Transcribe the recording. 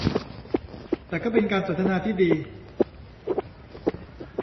แต่ก็เป็นการสนทนาที่ดี